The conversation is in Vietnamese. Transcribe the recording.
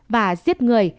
và giết người